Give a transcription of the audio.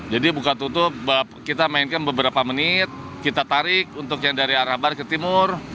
jadi buka tutup kita mainkan beberapa menit kita tarik untuk yang dari arabar ke timur